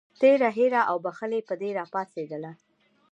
تېره هیره او بښلې بدي راپاڅېدله.